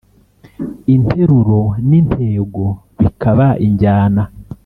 interuro n’intego bikaba injyana